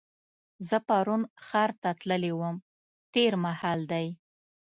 زه پرون ښار ته تللې وم تېر مهال دی.